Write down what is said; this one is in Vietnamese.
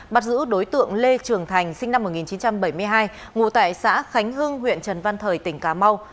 bắt giữ đối tượng lê trường thành sinh năm một nghìn chín trăm bảy mươi hai ngụ tại xã khánh hưng huyện trần văn thời tỉnh cà mau